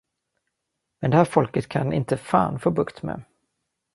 Men det här folket kan inte fan få bukt med.